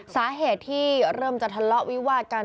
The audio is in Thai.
สาเหตุที่เริ่มจะทะเลาะวิวาดกัน